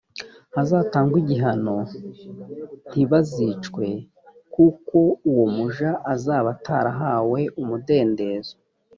hazatangwe igihano ntibazicwe kuko uwo muja azaba atarahawe umudendezo